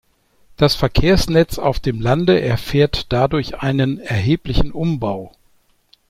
Das Verkehrsnetz auf dem Lande erfährt dadurch einen erheblichen Umbau.